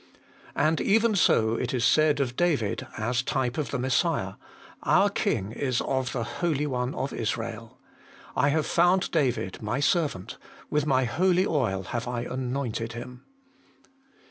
And even so it is said of David, as type of the Messiah, ' Our king is of the Holy One of Israel. I have found David, my servant ; with my holy oil have I anointed him.'